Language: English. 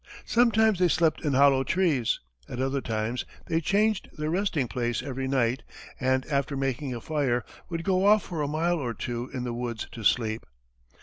Sometimes they slept in hollow trees, at other times, they changed their resting place every night, and after making a fire, would go off for a mile or two in the woods to sleep.